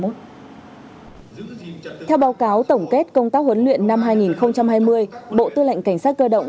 theo báo cáo tổng kết công tác huấn luyện năm hai nghìn hai mươi bộ tư lệnh cảnh sát cơ động